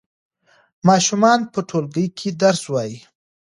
ماشومان په ټولګي کې درس وايي.